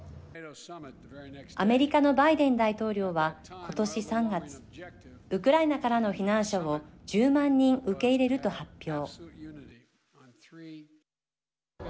アメリカのバイデン大統領はことし３月ウクライナからの避難者を１０万人、受け入れると発表。